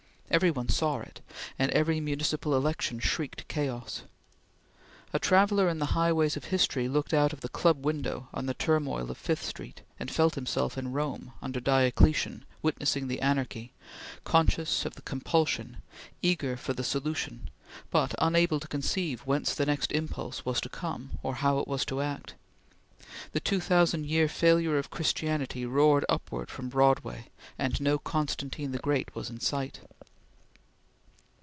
Every one saw it, and every municipal election shrieked chaos. A traveller in the highways of history looked out of the club window on the turmoil of Fifth Avenue, and felt himself in Rome, under Diocletian, witnessing the anarchy, conscious of the compulsion, eager for the solution, but unable to conceive whence the next impulse was to come or how it was to act. The two thousand years failure of Christianity roared upward from Broadway, and no Constantine the Great was in sight.